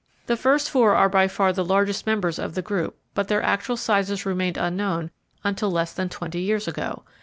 The first four are by far the largest members of the group, but their actual sizes remained unknown until less than twenty years ago.